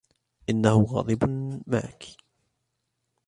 إنهُ غاضب معكِ.